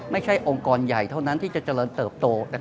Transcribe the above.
ไม่ใช่องค์กรใหญ่เท่านั้นที่จะเจริญเติบโต